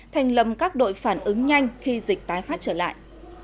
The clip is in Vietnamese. thành lầm các đội phản ứng nhanh khi dịch tái phát trở lại